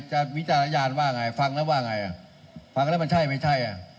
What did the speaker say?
วิจารณญาณว่าไงฟังแล้วว่าไงอ่ะฟังแล้วมันใช่ไม่ใช่อ่ะ